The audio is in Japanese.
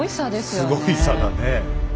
すごい差だね。